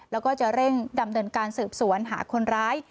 แล้วก็จะเร่งดำเนินการสืบสวนหาคนร้าย